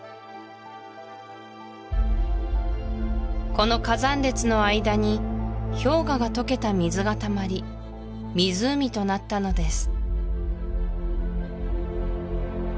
この火山列の間に氷河が解けた水がたまり湖となったのです